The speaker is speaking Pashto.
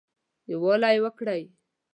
يووالى وکړٸ